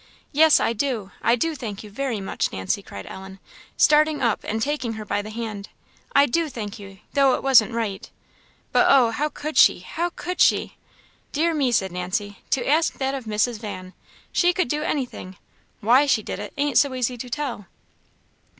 "Yes, I do I do thank you very much, Nancy!" cried Ellen, starting up and taking her by the hand "I do thank you though it wasn't right; but oh! how could she! how could she!" "Dear me!" said Nancy; "to ask that of Mrs. Van! she could do anything. Why she did it ain't so easy to tell."